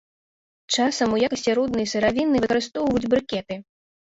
Часам у якасці руднай сыравіны выкарыстоўваюць брыкеты.